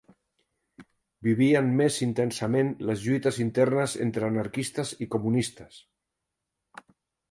Vivien més intensament les lluites internes entre anarquistes i comunistes